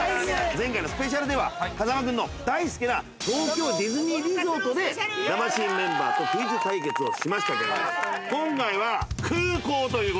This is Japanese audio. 前回のスペシャルでは風間君の大好きな東京ディズニーリゾートで魂メンバーとクイズ対決をしました。